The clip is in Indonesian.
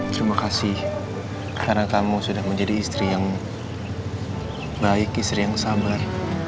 terima kasih karena kamu sudah menjadi istri yang baik istri yang sabar